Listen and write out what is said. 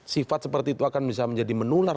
sifat seperti itu akan bisa menjadi menular